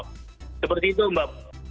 seperti itu mbak